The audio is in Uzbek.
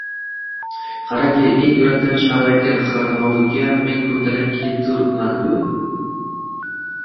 Qarangki, eng yurakdan chiqarib aytgan qarg‘oviga men ko‘ndalang kepturibman-ku